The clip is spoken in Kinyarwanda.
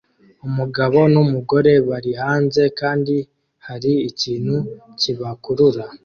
Umugabo numugore bari hanze kandi hari ikintu kibakurura